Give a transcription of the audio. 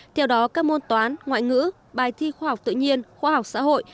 theo đó các môn toán ngoại ngữ bài thi khoa học tự nhiên khoa học xã hội